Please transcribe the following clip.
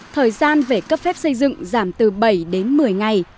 thời gian về cấp phép xây dựng giảm từ bảy đến một mươi ngày